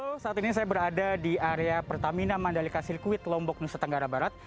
halo saat ini saya berada di area pertamina mandalika sirkuit lombok nusa tenggara barat